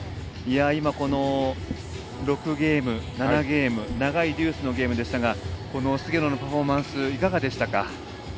今、この６ゲーム、７ゲーム長いデュースのゲームでしたがこの菅野のパフォーマンスいかがでしたか。